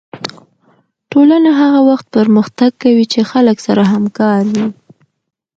ټولنه هغه وخت پرمختګ کوي چې خلک سره همکاره وي